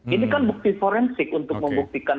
ini kan bukti forensik untuk membuktikan